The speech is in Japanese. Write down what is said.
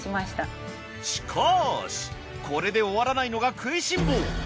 しかしこれで終わらないのがくいしん坊！